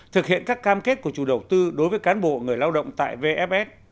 thực hiện các cam kết của chủ đầu tư đối với cán bộ người lao động tại vfs